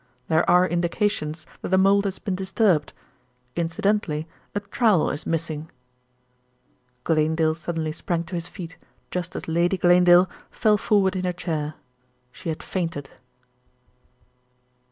"There are indications that the mould has been disturbed. Incidentally a trowel is missing " Glanedale suddenly sprang to his feet, just as Lady Glanedale fell forward in her chair she had fainted.